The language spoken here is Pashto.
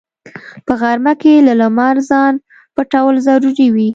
په غرمه کې له لمره ځان پټول ضروري وي